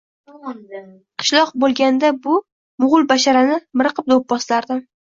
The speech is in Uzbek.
Qishloqda boʻlganda, bu moʻgʻulbasharani miriqib doʻpposlardim.